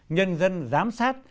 nhân dân giám sát